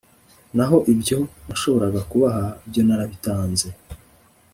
naho ibyo nashoboraga kubaha, byo narabitanze